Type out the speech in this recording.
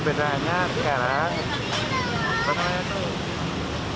lebih lebih hanya sekarang